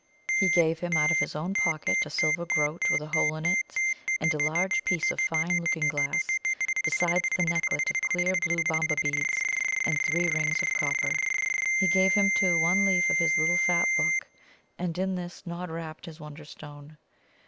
He gave him out of his own pocket a silver groat with a hole in it, and a large piece of fine looking glass, besides the necklet of clear blue Bamba beads, and three rings of copper. He gave him, too, one leaf of his little fat book, and in this Nod wrapped his Wonderstone.